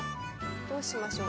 どうしましょう？